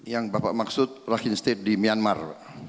yang bapak maksud rockyn state di myanmar